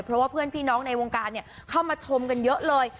เพราะว่าเพื่อนพี่น้องในวงการเข้ามาชมกันเยอะเลย